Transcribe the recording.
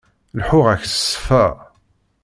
Leḥḥuɣ-ak s ṣṣfa.